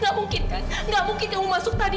gak mungkin kan gak mungkin kamu masuk tadi